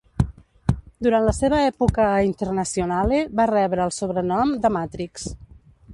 Durant la seva època a Internazionale, va rebre el sobrenom de "Matrix".